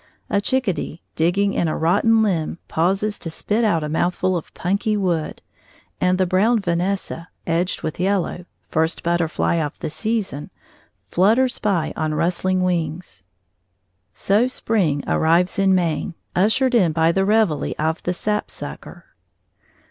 A chickadee digging in a rotten limb pauses to spit out a mouthful of punky wood and the brown Vanessa, edged with yellow, first butterfly of the season, flutters by on rustling wings. So spring arrives in Maine, ushered in by the reveille of the sapsucker.